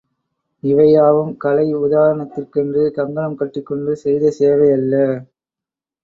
... இவையாவும் கலை உதாரணத்திற்கென்று கங்கணம் கட்டிக்கொண்டு செய்த சேவை அல்ல.